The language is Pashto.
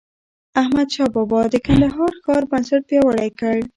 احمدشاه بابا د کندهار ښار بنسټ پیاوړی کړ.